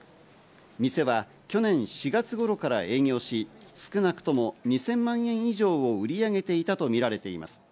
店は去年４月頃から営業し、少なくとも２０００万円以上を売り上げていたとみられています。